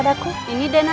baiklah permintaan saya